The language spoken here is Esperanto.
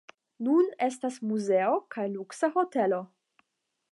Nun estas muzeo kaj luksa hotelo.